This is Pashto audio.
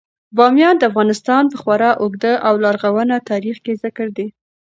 بامیان د افغانستان په خورا اوږده او لرغوني تاریخ کې ذکر دی.